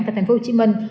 tại thành phố hồ chí minh